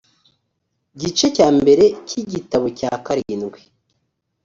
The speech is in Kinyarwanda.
gice cya mbere cy igitabo cya karindwi